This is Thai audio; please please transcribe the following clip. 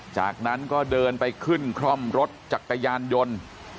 จากนั้นก็เดินไปขึ้นคร่อมรถจักรยานยนต์